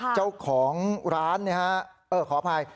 เจ้าของร้านขออภัย